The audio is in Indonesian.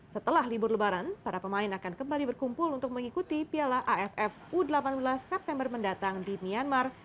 setelah libur lebaran para pemain akan kembali berkumpul untuk mengikuti piala aff u delapan belas september mendatang di myanmar